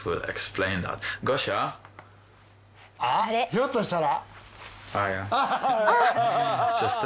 あっひょっとしたら。